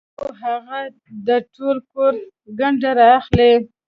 او هغه د ټول کور ګند را اخلي